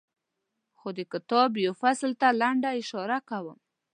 خو د کتاب یوه فصل ته لنډه اشاره کوم.